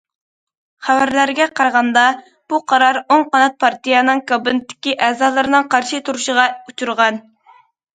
خەۋەرلەرگە قارىغاندا، بۇ قارار ئوڭ قانات پارتىيەنىڭ كابېنتتىكى ئەزالىرىنىڭ قارشى تۇرۇشىغا ئۇچرىغان.